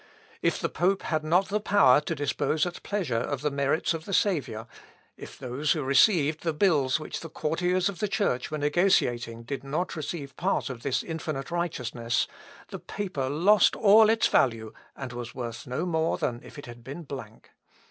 If the pope had not the power to dispose at pleasure of the merits of the Saviour; if those who received the bills which the courtiers of the Church were negotiating did not receive part of this infinite righteousness, the paper lost all its value, and was worth no more than if it had been blank.